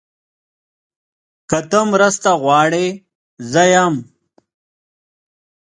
که ته مرسته غواړې، زه یم.